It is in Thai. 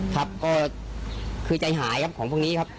ครับก็คือใจหายครับของพวกนี้ครับ